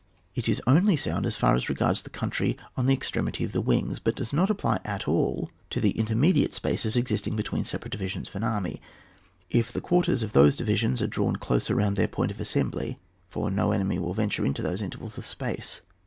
It is only sound as far as regards the country on the ex tremity of the wings, but does not apply at all to intermediate spaces existing be tween separate divisions of the army, if the quarters of those divisions are drawn closer round their point of assembly, for no enemy will then venture into those intervals of space.